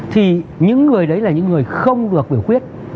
thì những người đấy là những người không được biểu quyết